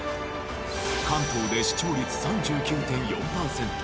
関東で視聴率３９．４パーセント